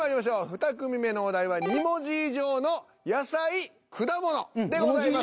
２組目のお題は２文字以上の野菜・果物でございます。